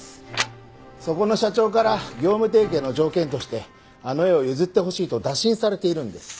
そこの社長から業務提携の条件としてあの絵を譲ってほしいと打診されているんです。